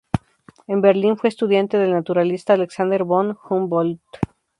En Berlín, fue estudiante del naturalista Alexander von Humboldt.